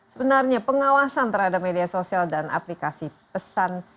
sebenarnya pengawasan terhadap media sosial dan aplikasi pesan